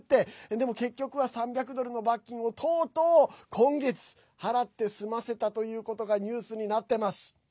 でも結局は３００ドルの罰金をとうとう今月払って済ませたということがニュースになってます。